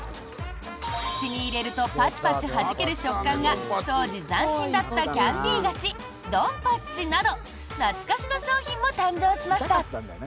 口に入れるとパチパチはじける食感が当時斬新だったキャンディー菓子ドンパッチなど懐かしの商品も誕生しました。